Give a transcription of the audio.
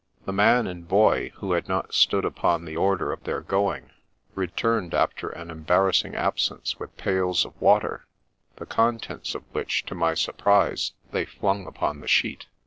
The man and boy, who had not stood upon the order of their going, returned after an embarrassing absence, with pails of water, the contents of which, to my surprise, they flung upon the sheet.